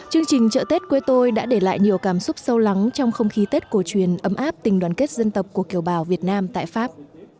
chương trình chợ tết quê tôi đã để lại nhiều cảm xúc sâu lắng trong không khí tết cổ truyền ấm áp tình đoàn kết dân tộc của kiều bào việt nam tại pháp